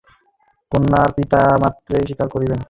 কন্যার পিতা মাত্রেই স্বীকার করিবেন, আমি সৎপাত্র।